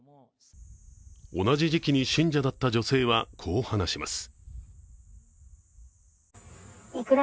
同じ時期に信者だった女性はこう話します。